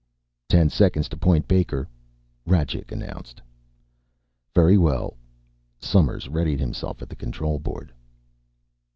"Ten seconds to Point Baker," Rajcik announced. "Very well." Somers readied himself at the control board.